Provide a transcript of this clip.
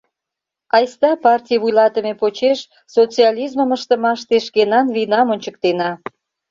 Айста партий вуйлатыме почеш социализмым ыштымаште шкенан вийнам ончыктена!